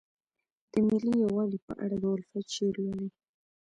د ملي یووالي په اړه د الفت شعر لولئ.